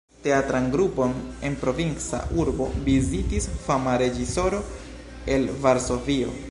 Teatran grupon en provinca urbo vizitis fama reĝisoro el Varsovio...